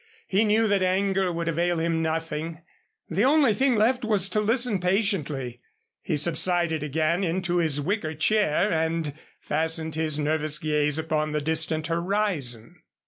He knew that anger would avail him nothing. The only thing left was to listen patiently. He subsided again into his wicker chair and fastened his nervous gaze upon the distant horizon.